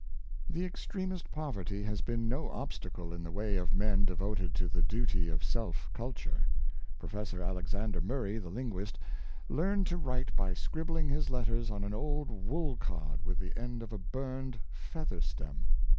The extremest poverty has been no obstacle in the way of men devoted to the duty of self culture. Pro fessor Alexander Murray, the linguist, learned to write by scribbling his letters on an old wool card with the end of a burned feather stem.